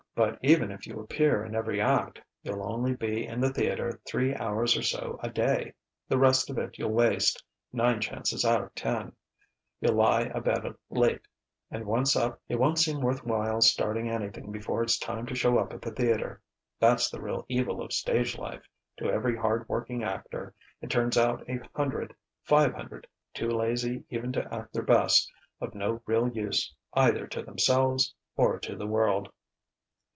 But even if you appear in every act, you'll only be in the theatre three hours or so a day. The rest of it you'll waste, nine chances out of ten. You'll lie abed late, and once up it won't seem worth while starting anything before it's time to show up at the theatre. That's the real evil of stage life: to every hard working actor it turns out a hundred five hundred too lazy even to act their best, of no real use either to themselves or to the world."